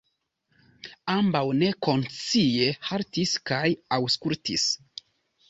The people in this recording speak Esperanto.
Ambaŭ nekonscie haltis kaj aŭskultis.